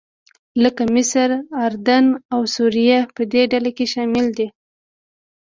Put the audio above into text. لکه مصر، اردن او سوریه په دې ډله کې شامل دي.